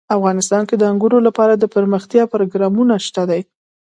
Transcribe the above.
افغانستان کې د انګورو لپاره دپرمختیا پروګرامونه شته دي.